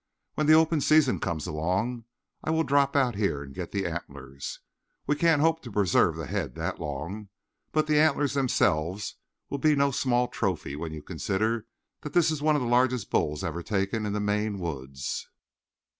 When the open season comes along I will drop out here and get the antlers. We can't hope to preserve the head that long, but the antlers themselves will be no small trophy when you consider that this is one of the largest bulls ever taken in the Maine woods.